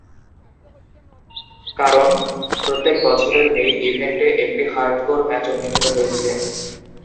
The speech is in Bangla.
কারন প্রত্যেক বছরের মেইন ইভেন্টে একটি হার্ডকোর ম্যাচ অনুষ্ঠিত হয়েছে।